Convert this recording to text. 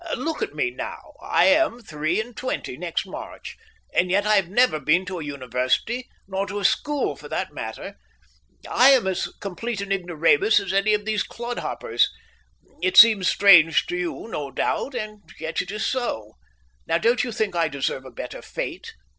Look at me, now. I am three and twenty next March, and yet I have never been to a university, nor to a school for that matter. I am as complete an ignoramus as any of these clodhoppers. It seems strange to you, no doubt, and yet it is so. Now, don't you think I deserve a better fate?"